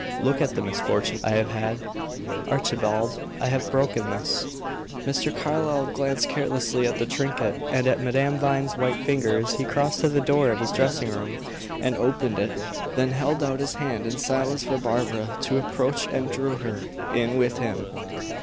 Look at the misfortune I have had. Archibald, I have broken this." Mr. Carlyle glanced carelessly at the trinket, and at Madame Vine's white fingers. He crossed to the door of his dressing room and opened it, then held out his hand in silence for Barbara to approach and drew her in with him.